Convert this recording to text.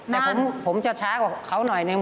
แต่ผมจะช้ากว่าเขาหน่อยนึง